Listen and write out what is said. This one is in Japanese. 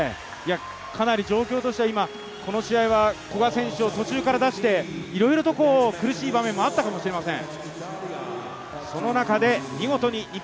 状況としては古賀選手を途中から出していろいろと苦しい場面もあったかもしれません。